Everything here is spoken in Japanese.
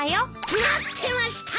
待ってました！